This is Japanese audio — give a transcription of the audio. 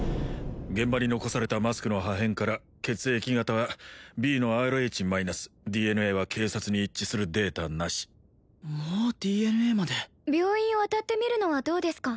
現場に残されたマスクの破片から血液型はＢのＲｈマイナスＤＮＡは警察に一致するデータなしもうＤＮＡまで病院を当たってみるのはどうですか？